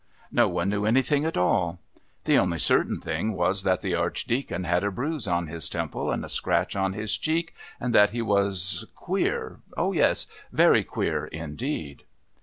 No one knew anything at all. The only certain thing was that the Archdeacon had a bruise on his temple and a scratch on his cheek, and that he was "queer," oh, yes, very queer indeed!